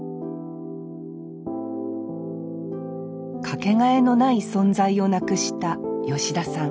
掛けがえのない存在をなくした吉田さん。